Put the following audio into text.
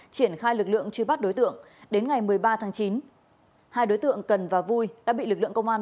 triển khai lực lượng truy bắt đối tượng đến ngày một mươi ba tháng chín hai đối tượng cần và vui đã bị lực lượng công an